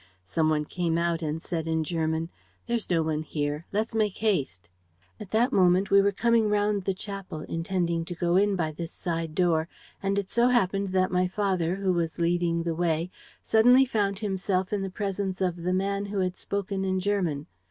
Some one came out and said, in German, 'There's no one here. Let us make haste.' At that moment we were coming round the chapel, intending to go in by this side door; and it so happened that my father, who was leading the way, suddenly found himself in the presence of the man who had spoken in German.